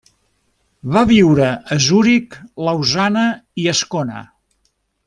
Va viure a Zuric, Lausana i Ascona.